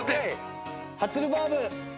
初ルバーブ。